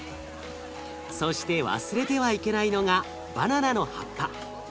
そして忘れてはいけないのがバナナの葉っぱ。